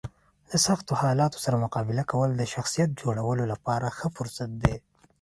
د سختو حالاتو سره مقابله کول د شخصیت جوړولو لپاره ښه فرصت دی.